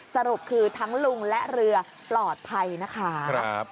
สรุปคือทั้งลุงและเรือปลอดภัยนะคะ